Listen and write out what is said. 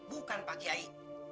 bukan pak kiai